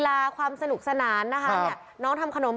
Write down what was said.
เป็นลุคใหม่ที่หลายคนไม่คุ้นเคย